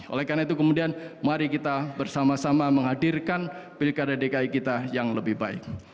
oleh karena itu kemudian mari kita bersama sama menghadirkan pilkada dki kita yang lebih baik